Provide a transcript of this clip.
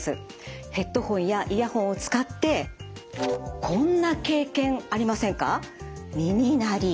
ヘッドホンやイヤホンを使ってこんな経験ありませんか？